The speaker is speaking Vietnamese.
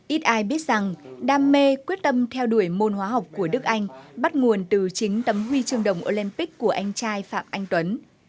ít ai biết rằng đam mê quyết tâm theo đuổi môn hóa học của đức anh bắt nguồn từ chính tấm huy chương đồng olympic của anh trai phạm anh tuấn